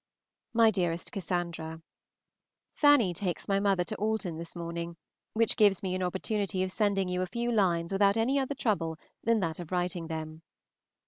MY DEAREST CASSANDRA, Fanny takes my mother to Alton this morning, which gives me an opportunity of sending you a few lines without any other trouble than that of writing them.